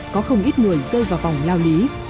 có không ít người rơi vào vòng lao lý